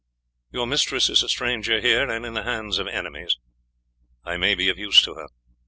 Your mistress is a stranger here, and in the hands of enemies. I may be of use to her.